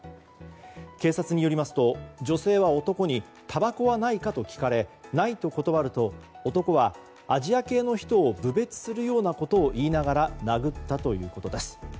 警察によりますと女性は男にたばこはないかと聞かれないと断ると男はアジア系の人を侮蔑するようなことを言いながら殴ったということです。